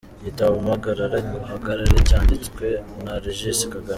Igitabo mpagara nguhagare cyanditswe na alegisi kagame.